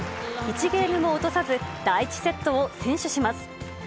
１ゲームも落とさず第１セットを先取します。